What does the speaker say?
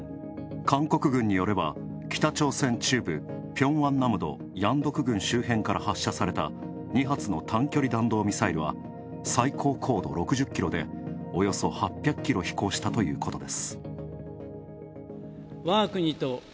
韓国軍によれば北朝鮮中部、ピョンアンナムド、ヤンドクグンから２発の短距離ミサイルは最高高度６０キロでおよそ８００キロ飛行したということです。